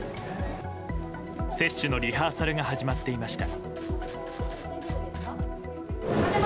接種のリハーサルが始まっていました。